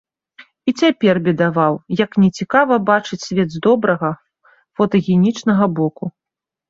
І цяпер бедаваў, як нецікава бачыць свет з добрага, фотагенічнага боку!